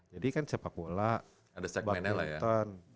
jadi kan sepak bola ada segmenela ya